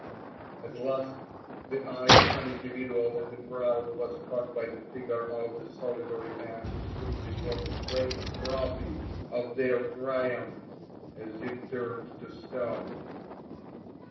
At last the eye of some individual in the crowd was caught by the figure of the solitary man who stood before the flaming trophy of their triumph as if turned to stone.